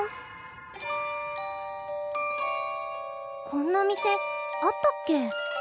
こんな店あったっけ？